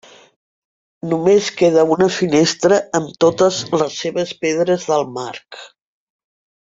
Només queda una finestra amb totes les seves pedres del marc.